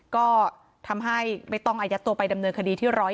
ก็ทำให้ไม่ต้องอายัดตัวไปดำเนินคดีที่๑๐๑